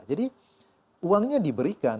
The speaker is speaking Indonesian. jadi uangnya diberikan